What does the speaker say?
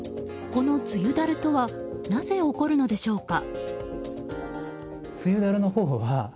この梅雨だるとはなぜ起こるのでしょうか。